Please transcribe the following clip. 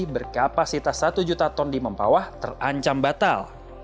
berkapasitas satu juta ton di mempawah terancam batal